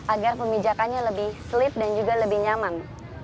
agar pemijakannya lebih selip dan juga lebih nyaman